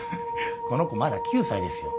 この子まだ９歳ですよ